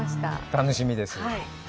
楽しみです。